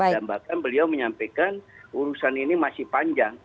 dan bahkan beliau menyampaikan urusan ini masih panjang